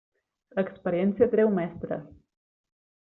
L'experiència treu mestres.